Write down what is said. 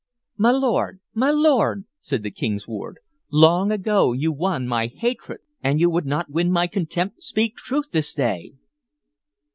"My lord, my lord!" said the King's ward. "Long ago you won my hatred; an you would not win my contempt, speak truth this day!"